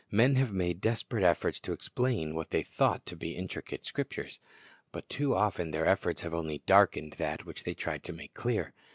Men have made desperate efforts to explain w^hat they thought to be intricate scriptures; but too often their efforts have only darkened that which they tried to make clear.